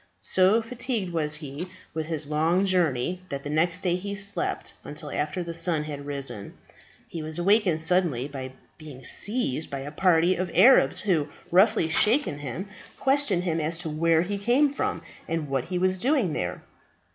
So fatigued was he with his long journey, that the next day he slept until after the sun had risen. He was awakened suddenly by being seized by a party of Arabs, who, roughly shaking him, questioned him as to where he came from, and what he was doing there.